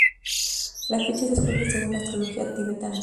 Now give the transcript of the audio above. La fecha se escoge según la astrología tibetana.